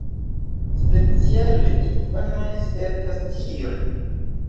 Speciale infanoj spertas tion.